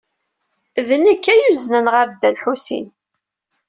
D nekk ay yuznen ɣer Dda Lḥusin.